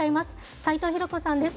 齊藤広子さんです。